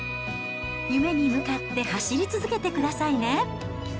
夢に向かって走り続けてくださいね。